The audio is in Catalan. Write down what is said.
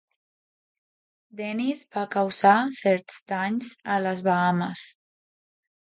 Dennis va causar certs danys a les Bahames.